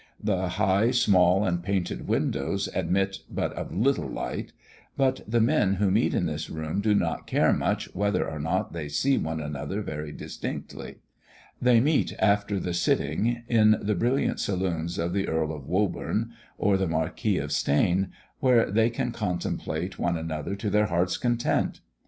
The high, small, and painted windows admit but of little light; but the men who meet in this room do not care much whether or not they see one another very distinctly. They meet after the sitting in the brilliant saloons of the Earl of Woburn, or the Marquis of Steyne, where they can contemplate one another to their hearts' content.